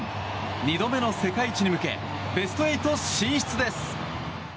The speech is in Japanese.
２度目の世界一に向けベスト８進出です！